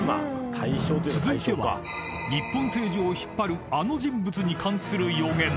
［続いては日本政治を引っ張るあの人物に関する予言］